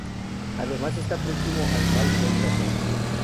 Además está próximo al Mall Florida Center.